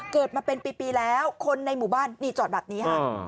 เกิดมาเป็นปีแล้วคนในหมู่บ้านนี่จอดแบบนี้ค่ะ